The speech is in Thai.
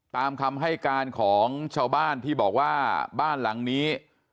ตามคำให้การของชาวบ้านที่บอกว่าบ้านหลังนี้